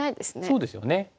そうですよね。